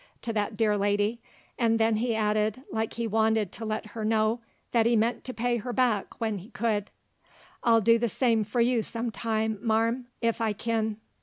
to that dear lady; 'nd then he added, like he wanted to let her know that he meant to pay her back when he could: "I'll do the same for you some time, marm, if I kin."